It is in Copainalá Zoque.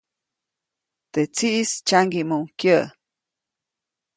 Teʼ tsiʼis tsyaŋgiʼmuʼuŋ kyäʼ.